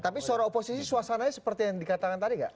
tapi seorang oposisi suasananya seperti yang dikatakan tadi nggak